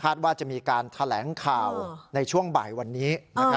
ว่าจะมีการแถลงข่าวในช่วงบ่ายวันนี้